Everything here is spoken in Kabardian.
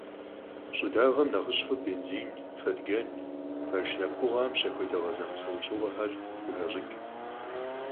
ЩӀыдагъэм нэхъыщхьэу бензин, фэтыджэн, машинэ пкъыгъуэхэм щахуэ дагъэ зэмылӀэужьыгъуэхэр къыхащӀыкӀ.